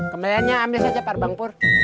kemeliannya ambil saja pak bang pur